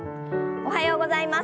おはようございます。